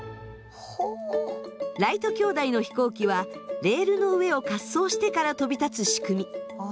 ライト兄弟の飛行機はレールの上を滑走してから飛び立つ仕組み。